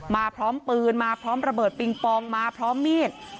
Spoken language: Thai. มาพร้อมปืนมาพร้อมระเบิดปิงปองมาพร้อมมีด